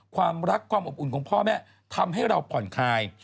ความรักความอบอุ่นของพ่อแม่ทำให้เราผ่อนคลาย